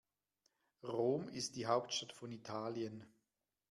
Rom ist die Hauptstadt von Italien.